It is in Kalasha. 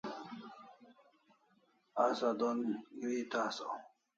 Asaw don gri eta asaw